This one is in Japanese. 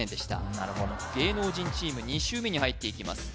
なるほど芸能人チーム２周目に入っていきます